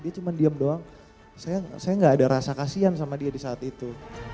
dia cuma diem doang saya nggak ada rasa kasihan sama dia di saat itu